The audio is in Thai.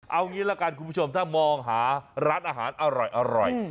เอางี้ละกันคุณผู้ชมถ้ามองหาร้านอาหารอร่อย